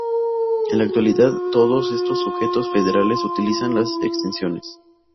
En la actualidad todos estos sujetos federales utilizan las exenciones.